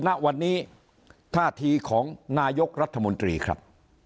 ณวันนี้ท่าทีของนายกรัฐมนตรีครับ